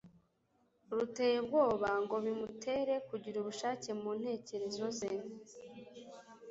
ruteye ubwoba ngo bimutere kugira ubushake mu ntekerezo ze